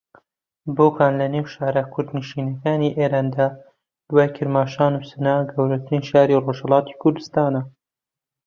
بۆکان لە نێو شارە کوردنشینەکانی ئێراندا دوای کرماشان و سنە گەورەترین شاری ڕۆژھەڵاتی کوردستانە